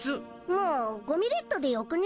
もうゴミレッドでよくね？